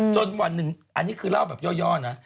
วันหนึ่งอันนี้คือเล่าแบบย่อนะ